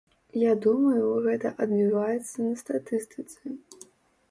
Я думаю, гэта адбіваецца на статыстыцы.